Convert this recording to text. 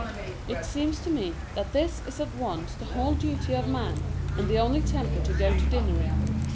It seems to me, that this is at once the whole duty of man, and the only temper to go to dinner in.